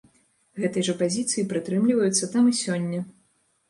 Гэтай жа пазіцыі прытрымліваюцца там і сёння.